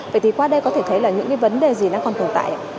vậy thì qua đây có thể thấy là những vấn đề gì đang còn tồn tại